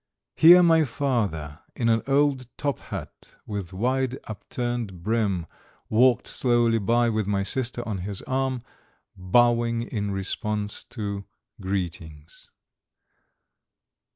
Here my father, in an old top hat with wide upturned brim, walked slowly by with my sister on his arm, bowing in response to greetings.